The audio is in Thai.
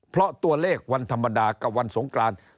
เพราะตัวเลขวันธรรมดากับวันสงกราน